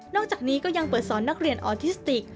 จากนี้ก็ยังเปิดสอนนักเรียนออทิสติก